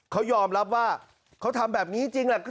เขายอมรับว่าเขาทำแบบนี้จริงแหละ